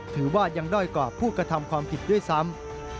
ถือว่ายังด้อยกว่าผู้กระทำความผิดด้วยซ้ำ